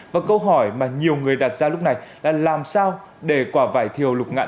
và câu hỏi mà nhiều người đặt ra lúc này là làm sao để quả vải thiều lục ngạn